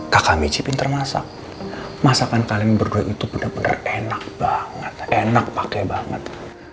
kakak michi pinter masak masakan kalian berdua itu bener bener enak banget enak pakai banget